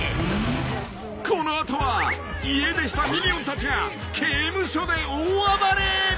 ［この後は家出したミニオンたちが刑務所で大暴れ！？］